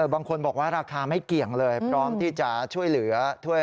บางคนบอกว่าราคาไม่เกี่ยงเลยพร้อมที่จะช่วยเหลือ